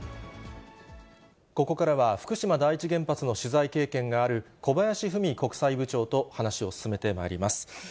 ここからは、福島第一原発の取材経験がある小林史国際部長と話を進めてまいります。